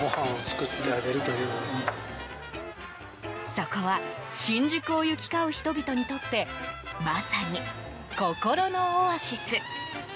そこは新宿を行き交う人々にとってまさに心のオアシス。